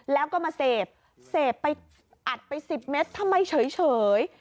แล้วก็มาเสพอัดไปสิบเม็ดทำไมเฉย